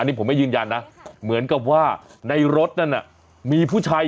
นี่ผมไม่ยืนยันนะเหมือนกับว่าในรถนั้นมีผู้ชาย